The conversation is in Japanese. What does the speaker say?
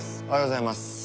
おはようございます。